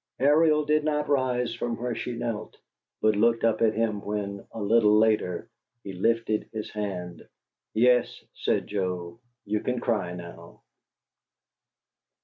Ariel did not rise from where she knelt, but looked up at him when, a little later, he lifted his hand. "Yes," said Joe, "you can cry now."